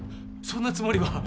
そんなつもりは。